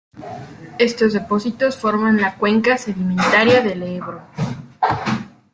Estos depósitos forman la cuenca sedimentaria del Ebro.